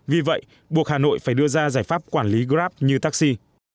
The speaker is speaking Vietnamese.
vì vậy buộc hà nội phải đưa ra giải pháp quản lý grab như taxi